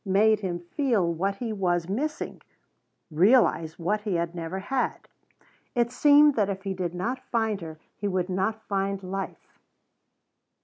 Made him feel what he was missing realize what he had never had. It seemed that if he did not find her he would not find life.